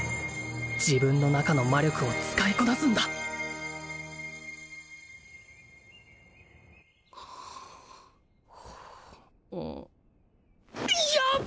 自分の中の魔力を使いこなすんだやっ